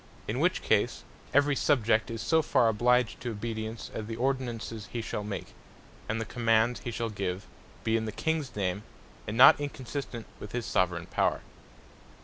In which case, every Subject is so far obliged to obedience, as the Ordinances he shall make, and the commands he shall give be in the Kings name, and not inconsistent with his Soveraigne Power.